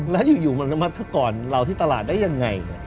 แล้วอยู่มันมาก่อนเราที่ตลาดได้ยังไง